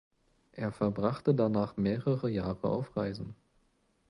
Er verbrachte danach mehrere Jahre auf Reisen.